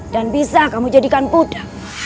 dan bisa kamu jadikan budak